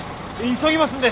急ぎますんで。